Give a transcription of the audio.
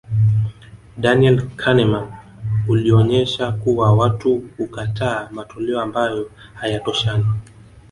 Daniel Kahneman ulionyesha kuwa watu hukataa matoleo ambayo hayatoshani